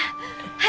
はい。